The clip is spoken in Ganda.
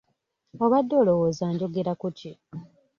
Obadde olowooza njogera ku ki?